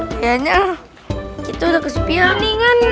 kayaknya ah kita udah kesepian nih kan